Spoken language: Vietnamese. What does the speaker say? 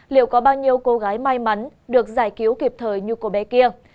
liệu có bao nhiêu cô gái may mắn được giải cứu kịp thời như cô bé kia